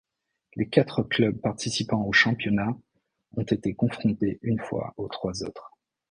Les quatre clubs participants au championnat ont été confrontés une fois aux trois autres.